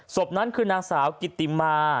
ศพนั้นคือนางสาวกิติมา